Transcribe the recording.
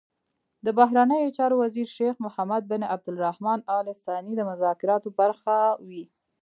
د بهرنیو چارو وزیر شیخ محمد بن عبدالرحمان ال ثاني د مذاکراتو برخه وي.